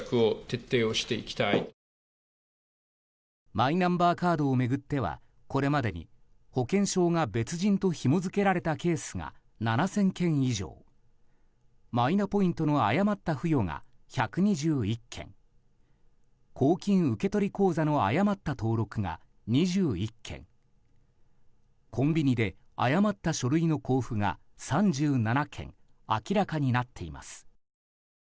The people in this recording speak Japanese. マイナンバーカードを巡ってはこれまでに保険証が別人とひも付けられたケースが７０００件以上マイナポイントの誤った付与が１２１件公金受取口座の誤った登録が２１軒コンビニで誤った書類の送付が３７件明らかになっています。